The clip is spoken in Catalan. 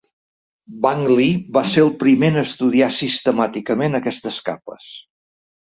Wang Li va ser el primer en estudiar sistemàticament aquestes capes.